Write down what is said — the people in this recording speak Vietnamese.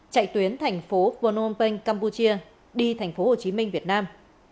chạy tuyến thành phố phnom penh campuchia đi thành phố hồ chí minh việt nam